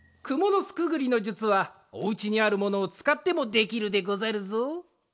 くものすくぐりのじゅつはおうちにあるものをつかってもできるでござるぞ。